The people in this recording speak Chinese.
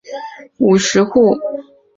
四百五十户。